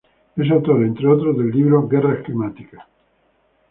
Es autor, entre otros, del libro "Guerras climáticas".